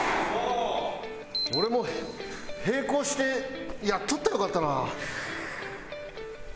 俺も並行してやっとったらよかったな。